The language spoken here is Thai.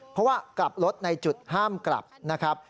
เพราะว่ากลับรถในจุดห้ามกลับนะครับ